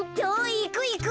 いくいく。